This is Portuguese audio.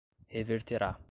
reverterá